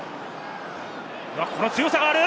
これは強さがある！